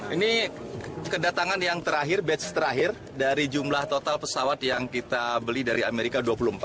ini kedatangan yang terakhir batch terakhir dari jumlah total pesawat yang kita beli dari amerika dua puluh empat